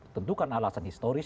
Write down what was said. tentu kan alasan historis